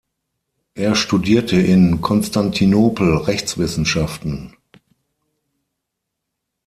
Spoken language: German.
Er studierte in Konstantinopel Rechtswissenschaften.